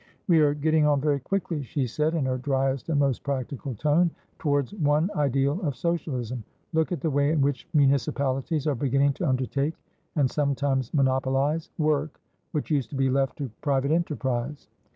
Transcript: "We are getting on very quickly," she said, in her driest and most practical tone, "towards one ideal of Socialism. Look at the way in which municipalities are beginning to undertake, and sometimes monopolise, work which used to be left to private enterprize.